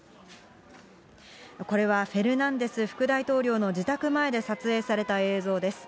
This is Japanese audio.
これはフェルナンデス副大統領の自宅前で撮影された映像です。